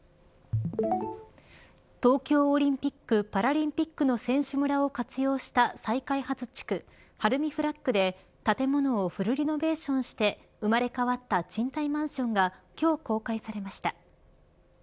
東京オリンピック・パラリンピックの選手村を活用した再開発地区晴海フラッグで建物をフルリノベーションして生まれ変わった賃貸マンションが今日公開されました。